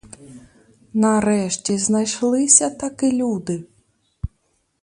Нарешті знайшлися таки люди!